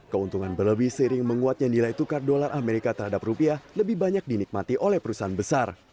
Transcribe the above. keuntungan berlebih seiring menguatnya nilai tukar dolar amerika terhadap rupiah lebih banyak dinikmati oleh perusahaan besar